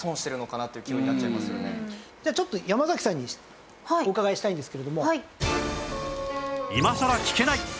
じゃあちょっと山崎さんにお伺いしたいんですけれども。